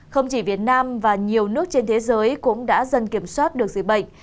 không chỉ việt nam và nhiều nước trên thế giới cũng đã dần kiểm soát được dịch bệnh